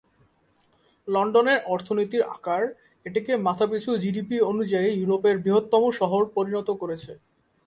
লন্ডনের অর্থনীতির আকার এটিকে মাথাপিছু জিডিপি অনুযায়ী ইউরোপের বৃহত্তম শহর পরিণত করেছে।